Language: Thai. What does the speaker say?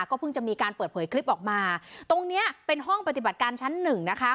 ก็เพิ่งจะมีการเปิดเผยคลิปออกมาตรงเนี้ยเป็นห้องปฏิบัติการชั้นหนึ่งนะคะ